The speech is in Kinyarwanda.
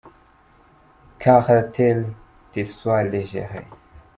Que la terre te soit légère.